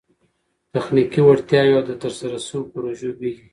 تخنیکي وړتیاوي او د ترسره سوو پروژو بيلګي